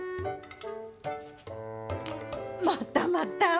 またまた。